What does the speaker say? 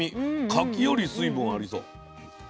柿より水分ありそう。